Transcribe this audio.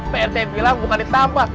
pak rete bilang bukan di tampah